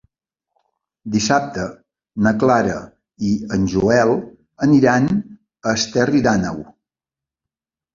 Dissabte na Clara i en Joel aniran a Esterri d'Àneu.